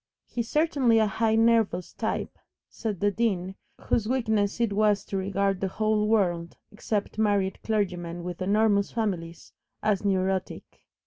"He's certainly a highly nervous type," said the Dean, whose weakness it was to regard the whole world, except married clergymen with enormous families, as "neurotic."